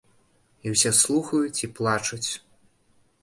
І ўсе слухаюць і плачуць!